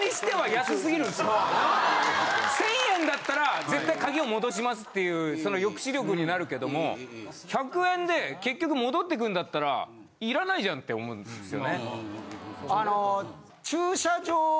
１０００円だったら絶対鍵を戻しますっていうその抑止力になるけども１００円で結局戻ってくるんだったらいらないじゃんって思うんですよね。